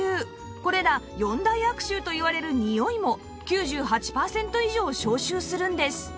これら４大悪臭といわれるにおいも９８パーセント以上消臭するんです